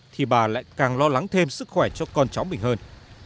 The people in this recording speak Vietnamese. thì bà lại càng lo lắng thêm sức khỏe cho con cháu mình hơn